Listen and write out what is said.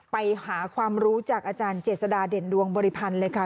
ไปหาความรู้จากอาจารย์เจษฎาเด่นดวงบริพันธ์เลยค่ะ